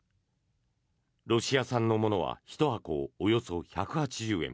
ロシア産のものは１箱およそ１８０円